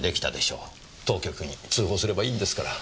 当局に通報すればいいんですから。